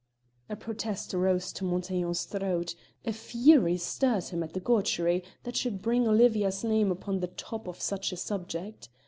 A protest rose to Montaiglon's throat; a fury stirred him at the gaucherie that should bring Olivia's name upon the top of such a subject.